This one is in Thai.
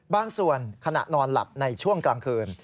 บางส่วนขณะนอนหลับในช่วงกลางคืน